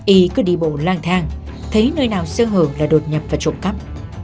y cứ đi bộ lang thang thấy nơi nào sơ hưởng là đột nhập và trộm cắp